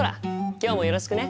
今日もよろしくね。